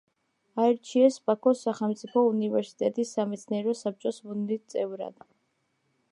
აირჩიეს ბაქოს სახელმწიფო უნივერსიტეტის სამეცნიერო საბჭოს მუდმივ წევრად.